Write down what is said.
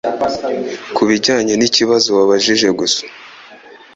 Kubijyanye n'ikibazo wabajije gusa